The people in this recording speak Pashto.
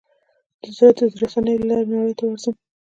زه د رسنیو له لارې نړۍ ته ورځم.